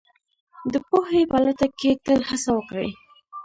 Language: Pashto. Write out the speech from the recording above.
د پوهې په لټه کې تل هڅه وکړئ